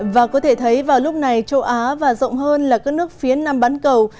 và có thể thấy vào lúc này châu á và rộng hơn là các nước phía nam bán cầu